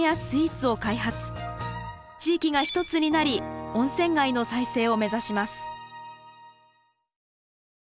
地域が一つになり温泉街の再生を目指します。